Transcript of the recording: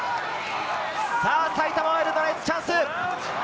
埼玉ワイルドナイツ、チャンス！